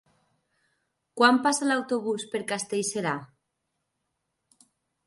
Quan passa l'autobús per Castellserà?